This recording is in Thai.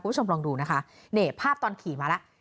คุณผู้ชมลองดูนะคะนี่ภาพตอนขี่มาแล้ว